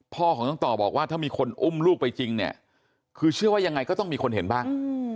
พ่อของน้องต่อบอกว่าถ้ามีคนอุ้มลูกไปจริงเนี่ยคือเชื่อว่ายังไงก็ต้องมีคนเห็นบ้าง